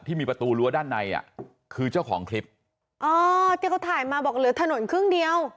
ที่มีประตูรั้วด้านในอ่ะคือเจ้าของคลิปอ๋อที่เขาถ่ายมาบอกเหลือถนนครึ่งเดียว